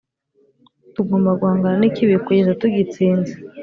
Tugomba guhangana n’ikibi kugeza tugitsinze